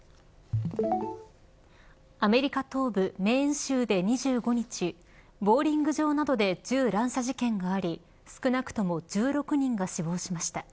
アメリカ東部メーン州で２５日ボウリング場などで銃乱射事件があり少なくとも１６人が死亡しました。